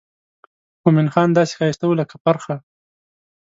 مومن خان داسې ښایسته و لکه پرخه.